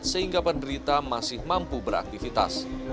sehingga penderita masih mampu beraktivitas